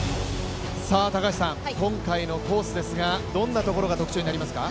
今回のコースですが、どんなところが特徴になりますか？